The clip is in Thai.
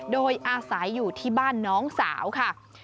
โดยอาศัยอยู่ที่บ้านน้องสาวค่ะ